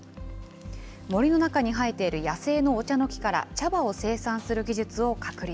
森の中に生えている野生のお茶の木から茶葉を生産する技術を確立。